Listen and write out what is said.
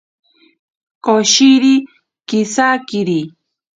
Koshiri kisakiri.